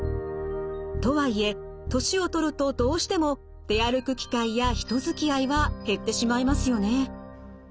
とはいえ年を取るとどうしても出歩く機会や人づきあいは減ってしまいますよね。